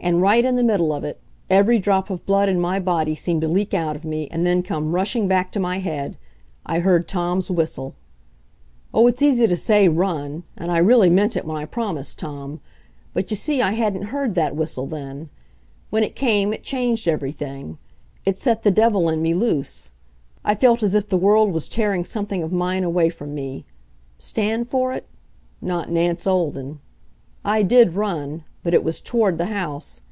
And right in the middle of it every drop of blood in my body seemed to leak out of me, and then come rushing back to my head I heard Tom's whistle. Oh, it's easy to say "run," and I really meant it when I promised Tom. But you see I hadn't heard that whistle then. When it came, it changed everything. It set the devil in me loose. I felt as if the world was tearing something of mine away from me. Stand for it? Not Nance Olden. I did run but it was toward the house.